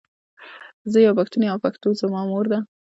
زۀ یو پښتون یم او پښتو زما مور ده.